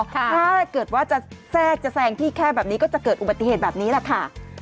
ถ้าเกิดว่าจะแทรกจะแซงพี่แค่แบบนี้ก็จะเกิดอุบัติเหตุแบบนี้แหละค่ะ